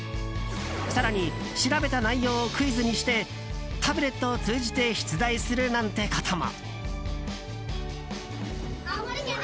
更に、調べた内容をクイズにしてタブレットを通じて出題するなんてことも。